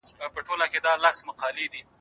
کوچنۍ سپوږمۍ څو میاشتې نږدې پاتې شوه.